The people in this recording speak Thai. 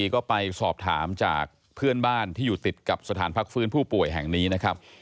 ก็ไปสอบถามจากเพื่อนบ้านที่อยู่ติดกับสถานพักฟื้นผู้ป่วยแห่งนี้นะครับ